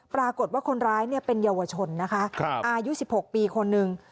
ปรากฏว่าคนร้ายเนี่ยเป็นเยาวชนนะคะครับอายุสิบหกปีคนหนึ่ง